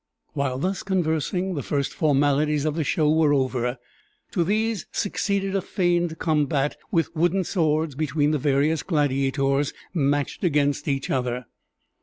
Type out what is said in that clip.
While thus conversing, the first formalities of the show were over. To these succeeded a feigned combat with wooden swords between the various gladiators matched against each other.